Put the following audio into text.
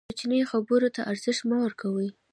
کوچنۍ خبرو ته ارزښت مه ورکوئ!